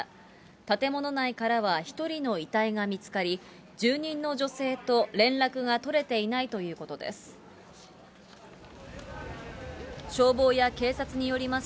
建物内からは１人の遺体が見つかり、住人の女性と連絡が取れていないということです。